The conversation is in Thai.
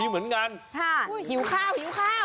หิวข้าวหิวข้าว